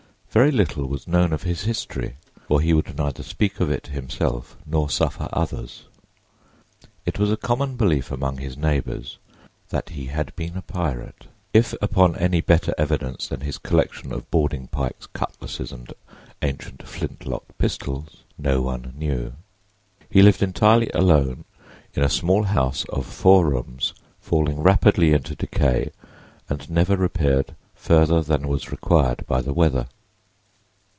Very little was known of his history, for he would neither speak of it himself nor suffer others. It was a common belief among his neighbors that he had been a pirate—if upon any better evidence than his collection of boarding pikes, cutlasses, and ancient flintlock pistols, no one knew. He lived entirely alone in a small house of four rooms, falling rapidly into decay and never repaired further than was required by the weather.